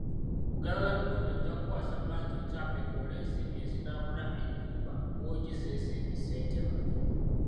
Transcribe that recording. Buganda Land Board ejja kukwasa bbanka ekyapa ekuwole ensimbi ezinaagula ennyumba Guoji z'ezimba e Ssentema.